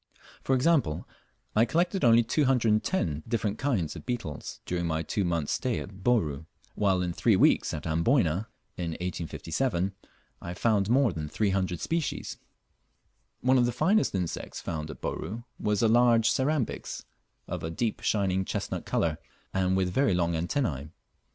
For example, I collected only 210 different kinds of beetles during my two months' stay at Bourn, while in three weeks at Amboyna, in 1857, I found more than 300 species: One of the finest insects found at Bouru was a large Cerambyx, of a deep shining chestnut colour, and with very long antennae.